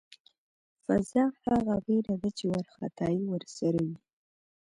فذع هغه وېره ده چې وارخطایی ورسره وي.